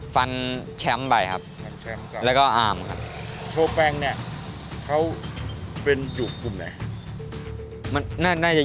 ฟันไ